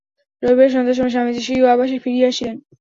রবিবার সন্ধ্যার সময় স্বামীজী স্বীয় আবাসে ফিরিয়া আসিলেন।